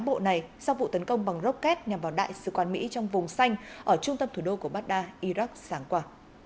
bộ này sau vụ tấn công bằng rocket nhằm vào đại sứ quán mỹ trong vùng xanh ở trung tâm thủ đô của baghdad iraq sáng qua